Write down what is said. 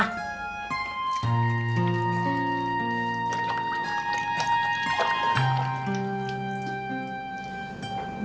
kecengte sayang mak